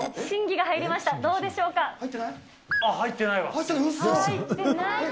審議が入りました、どうでし入ってないわ。